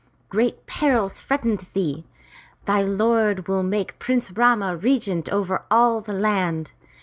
'' Great peril threatens thee. Thy lord will make Prince Rama regent over all the land!